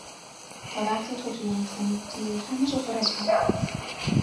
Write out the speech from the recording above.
تا وقتی تو توی این خونه بودی همه جا پر از آب بود